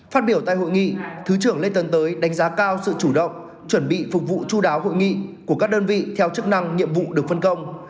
phát biểu tại hội nghị thứ trưởng lê tấn tới đánh giá cao sự chủ động chuẩn bị phục vụ chú đáo hội nghị của các đơn vị theo chức năng nhiệm vụ được phân công